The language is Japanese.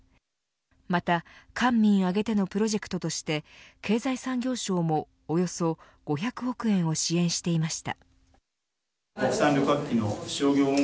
また官民挙げてのプロジェクトとして経済産業省もおよそ５００億円を支援していました。